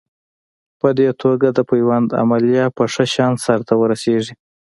په دې توګه د پیوند عملیه په ښه شان سر ته ورسېږي.